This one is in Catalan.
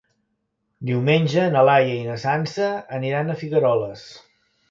Diumenge na Laia i na Sança aniran a Figueroles.